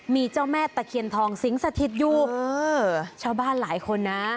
มีเจ้าแม่ตะเคียนทองสิงสถิตอยู่เออชาวบ้านหลายคนนะ